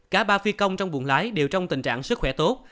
cả ba phi công trong buồng lái đều trong tình trạng sức khỏe tốt